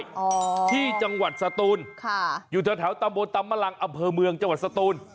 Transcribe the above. อยู่ที่จังหวัดสตูนอยู่ที่แถวตำรงตำบัลตาอัมเภอเมืองจังหวัดสตูน